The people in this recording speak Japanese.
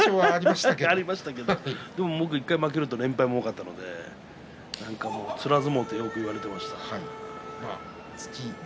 でも１回、負けると連敗が多かったのでつら相撲とよく言われていました。